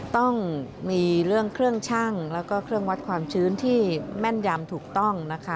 ต้องมีเรื่องเครื่องชั่งแล้วก็เครื่องวัดความชื้นที่แม่นยำถูกต้องนะคะ